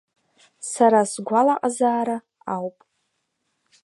Сара сгәалаҟазаара ауп.